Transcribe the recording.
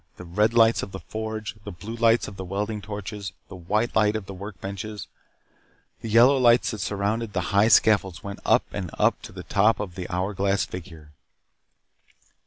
The red lights of the forge. The blue lights of the welding torches, the white light of the workbenches. The yellow lights that surrounded the high scaffolds went up and up to the top of the hour glass figure.